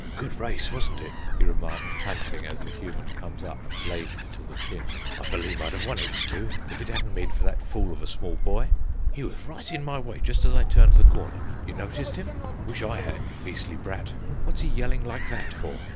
"Good race, wasn't it?" he remarks, panting, as the Human comes up, laden to the chin. "I believe I'd have won it, too, if it hadn't been for that fool of a small boy. He was right in my way just as I turned the corner. You noticed him? Wish I had, beastly brat! What's he yelling like that for?